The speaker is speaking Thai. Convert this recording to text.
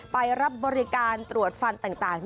ไปรับบริการตรวจฟันต่าง